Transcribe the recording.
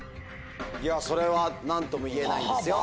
いやそれは何とも言えないんですよ。